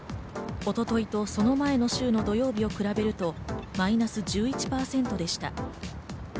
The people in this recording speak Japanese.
一昨日とその前の週の土曜日を比べるとマイナス１１％でした。